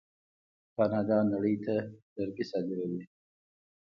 کاناډا نړۍ ته لرګي صادروي.